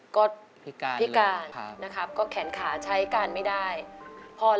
ก็พี่กานนะครับก็แขนขาใช้การไม่ได้พี่กานเหรอ